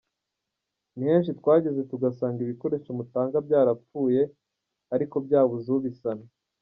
Ni henshi twageze tugasanga ibikoresho mutanga byarapfuye ariko byabuze ubisana.